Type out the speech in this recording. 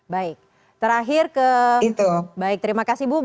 baik terakhir ke terima kasih ibu